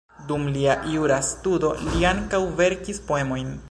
Dum lia jura studo li ankaŭ verkis poemojn.